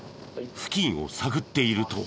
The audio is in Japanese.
付近を探っていると。